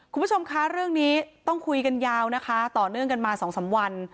คุณผู้ชมคะเรื่องนี้ต้องคุยกันยาวนะคะต่อเนื่องกันมาสองสามวัน